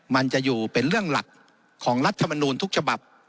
มันจะอยู่เป็นเรื่องหลักของรัฐมนูลทุกฉบับ